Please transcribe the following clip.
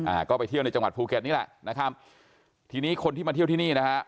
อ่าก็ไปเที่ยวในจังหวัดภูเก็ตนี่แหละนะครับทีนี้คนที่มาเที่ยวที่นี่นะฮะ